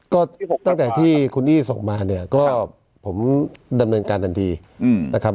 ก็ตั้งแต่ที่คุณนี่ส่งมาเนี่ยก็ผมดำเนินการทันทีนะครับ